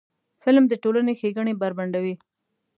فلم د ټولنې ښېګڼې بربنډوي